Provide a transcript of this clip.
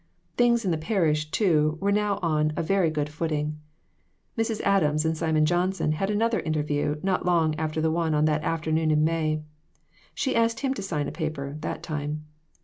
Things in the parish, too, were now on a very good foot ing. Mrs. Adams and Simon Johnson had another interview not long after the one on that afternoon in May. She asked him to sign a paper that time.